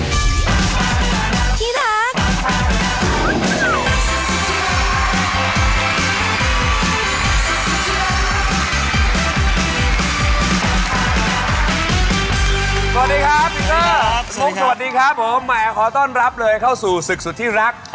สวัสดีครับพี่เกอร์สวัสดีครับผมแหมขอต้อนรับเลยเข้าสู่ศึกสุดที่รัก